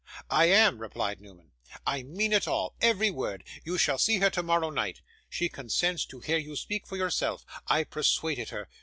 'I am,' replied Newman. 'I mean it all. Every word. You shall see her tomorrow night. She consents to hear you speak for yourself. I persuaded her.